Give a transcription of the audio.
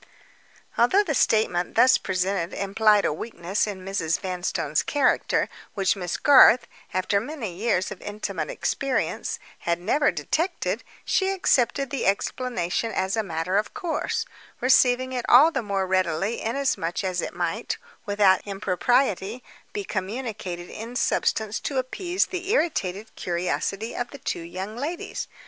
Although the statement thus presented implied a weakness in Mrs. Vanstone's character which Miss Garth, after many years of intimate experience, had never detected, she accepted the explanation as a matter of course; receiving it all the more readily inasmuch as it might, without impropriety, be communicated in substance to appease the irritated curiosity of the two young ladies.